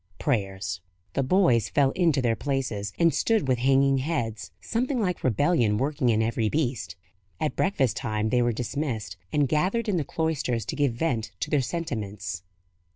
Prayers." The boys fell into their places, and stood with hanging heads, something like rebellion working in every breast. At breakfast time they were dismissed, and gathered in the cloisters to give vent to their sentiments.